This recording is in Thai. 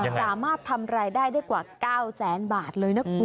สามารถทำรายได้ได้กว่า๙แสนบาทเลยนะคุณ